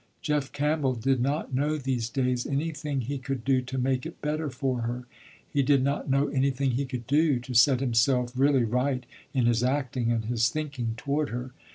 Jeff Campbell did not know, these days, anything he could do to make it better for her. He did not know anything he could do, to set himself really right in his acting and his thinking toward her.